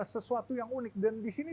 sesuatu yang unik dan di sini